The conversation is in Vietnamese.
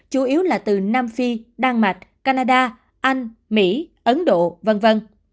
chủ yếu là từ nam phi đan mạch canada anh mỹ ấn độ v v